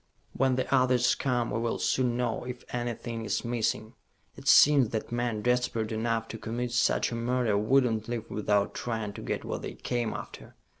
"When the others come, we will soon know if anything is missing. It seems that men desperate enough to commit such a murder would not leave without trying to get what they came after.